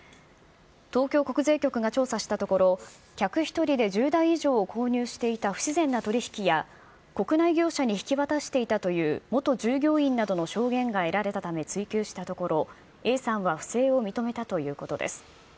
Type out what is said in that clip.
東京国税局が調査したところ、客１人で１０台以上を購入していた不自然な取り引きや、国内業者に引き渡していたという元従業員などの証言が得られたため追及したところ、永山は不正を認めたということです。